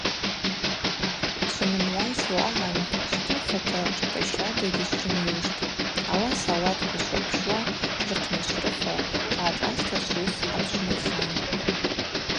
Шванымгӏвайсуа агӏан швхъырхуата шӏыпӏа щардагьи шврынйуштӏ, ауаса ауатква швырпшуа, тшырхънашврыхуа швгӏашӏаста швуыс апшвмырхан.